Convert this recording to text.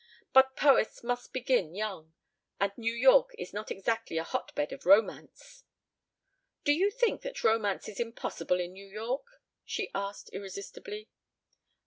But poets must begin young. And New York is not exactly a hot bed of romance." "Do you think that romance is impossible in New York?" she asked irresistibly.